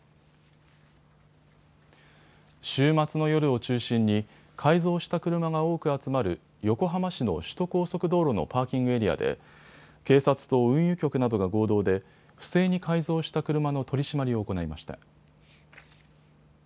週末の夜を中心に改造した車が多く集まる横浜市の首都高速道路のパーキングエリアで警察と運輸局などが合同で不正に改造した車の取締りを行いました。